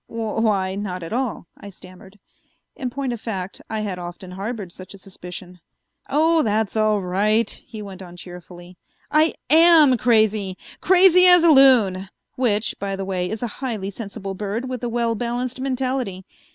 "Why, not at all," I stammered. In point of fact, I had often harbored such a suspicion. "Oh, that's all right," he went on cheerfully. "I am crazy, crazy as a loon, which, by the way, is a highly sensible bird with a well balanced mentality.